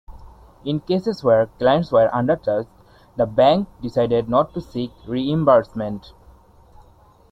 In cases where clients were undercharged, the bank decided not to seek reimbursement.